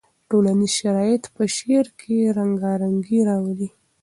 ټولنیز شرایط په شعر کې رنګارنګي راولي.